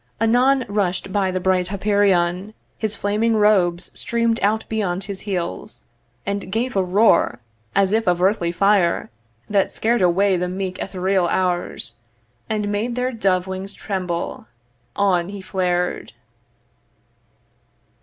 Anon rush'd by the bright Hyperion; His flaming robes stream'd out beyond his heels, And gave a roar, as if of earthly fire, That scared away the meek ethereal hours And made their dove wings tremble. On he flared.